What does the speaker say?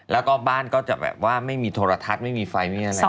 แล้วก็บ้านก็จะแบบว่าไม่มีโทรทัศน์ไม่มีไฟไม่มีอะไร